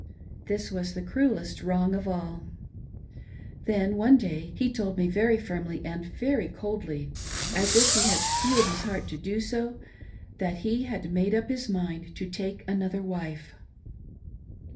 This was the cruellest wrong of all. 398 MARRYING A GIRL OF FOURTEEN. Then one day he told me very firmly and very coldly, as if he had steeled his heart to do so, that he had made up his mind to take another wife."